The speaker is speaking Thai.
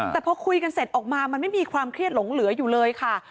แต่พอคุยกันเสร็จออกมามันไม่มีความเครียดหลงเหลืออยู่เลยค่ะ